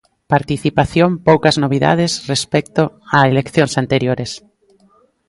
Participación Poucas novidades respecto a eleccións anteriores.